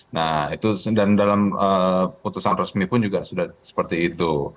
nah itu dan dalam putusan resmi pun juga sudah seperti itu